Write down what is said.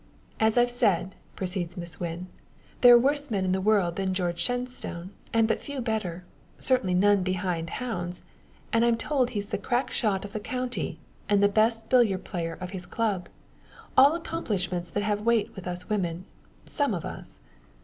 "As I've said," proceeds Miss Wynn, "there are worse men in the world than George Shenstone, and but few better. Certainly none behind hounds, and I'm told he's the crack shot of the county, and the best billiard player of his club. All accomplishments that have weight with us women some of us.